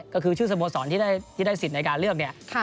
ก็คือชื่อสโมสรที่ได้สิทธิ์ในการเลือกเนี่ย